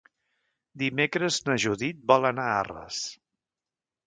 Dimecres na Judit vol anar a Arres.